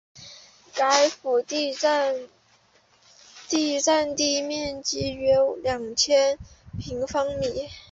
该府第占地面积约两千平方米。